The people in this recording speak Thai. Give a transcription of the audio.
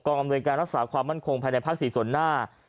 ก่อนอำนวยการรักษาความมั่นคงไผ่ในภาคสี่ส่วนหน้า